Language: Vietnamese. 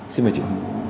xin mời chị